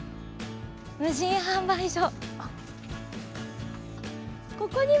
無人販売所。